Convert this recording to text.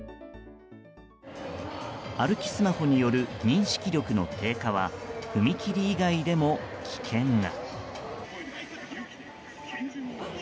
歩きスマホによる認識力の低下は踏切以外でも危険が。